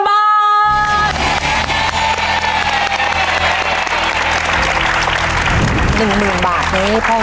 ๑๐๐๐๐บาทนี้พ่อคิดว่า